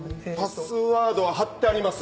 パスワードは張ってあります